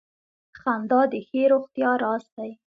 • خندا د ښې روغتیا راز دی.